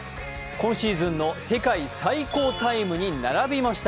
今シーズンの世界最高タイムに並びました。